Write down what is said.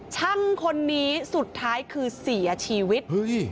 ช่างคนนี้สุดท้ายคือเสียชีวิต